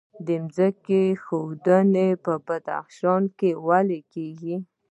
ځمکې ښویدنه په بدخشان کې ولې کیږي؟